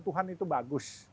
tuhan itu bagus